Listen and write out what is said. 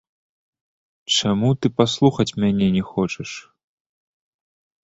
Чаму ты паслухаць мяне не хочаш?